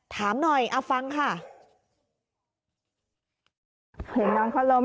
ถามหน่อยเอาฟังค่ะ